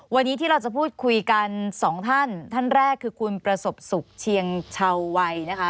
วันนี้ที่เราจะพูดคุยกันสองท่านท่านแรกคือคุณประสบสุขเชียงชาววัยนะคะ